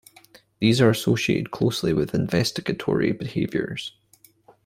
These are associated closely with investigatory behaviors.